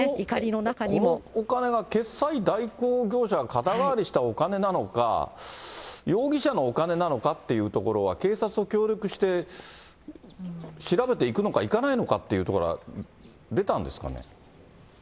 このお金が決済代行業者が肩代わりしたお金なのか、容疑者のお金なのかっていうところは、警察と協力して調べていくのか、いかないのかっていうところは出たんですかね。